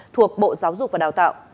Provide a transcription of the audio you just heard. thuộc bộ giáo dục và đào tạo